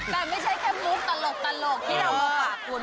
แต่ไม่ใช่แค่มุมตลกที่เราประหว่างคุณ